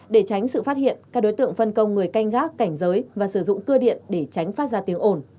để tránh sự phát hiện các đối tượng phân công người canh gác cảnh giới và sử dụng cơ điện để tránh phát ra tiếng ổn